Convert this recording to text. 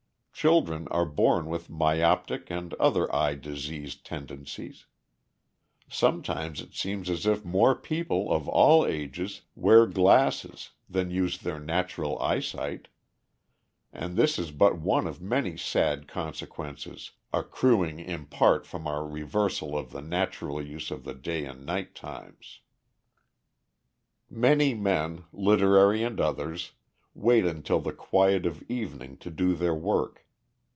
Children are born with myoptic and other eye diseased tendencies. Sometimes it seems as if more people, of all ages, wear glasses than use their natural eyesight, and this is but one of many sad consequences accruing in part from our reversal of the natural use of the day and night times. [Illustration: HAPPY AND HEALTHY HOPI CHILDREN, ASKING THE AUTHOR FOR CANDY.] Many men, literary and others, wait until the quiet of evening to do their work.